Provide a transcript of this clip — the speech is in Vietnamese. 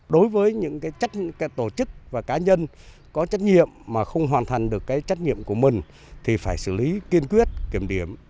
đối với những tổ chức và cá nhân có trách nhiệm mà không hoàn thành được cái trách nhiệm của mình thì phải xử lý kiên quyết kiểm điểm